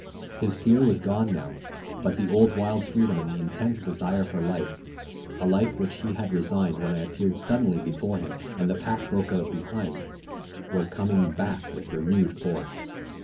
His fear was gone now, but the old wild freedom and the intense desire for life a life which he had resigned when I appeared suddenly before him, and the pack broke out behind were coming back with renewed force.